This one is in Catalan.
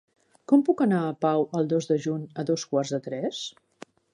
Com puc anar a Pau el dos de juny a dos quarts de tres?